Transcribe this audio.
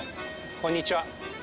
こんにちは。